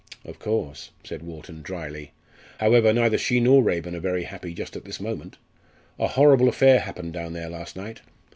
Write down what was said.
"Of course," said Wharton, drily. "However, neither she nor Raeburn are very happy just at this moment. A horrible affair happened down there last night.